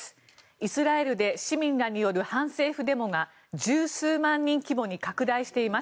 イスラエルで市民らによる反政府デモが１０数万人規模に拡大しています。